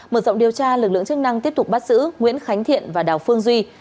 mở rộng điều tra lực lượng chức năng tiếp tục bắt giữ nguyễn khánh thiện và đào phương duy